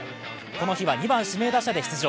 この日は２番・指名打者で出場。